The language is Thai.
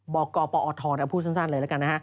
บอกกปอทรเอาพูดสั้นเลยละกัน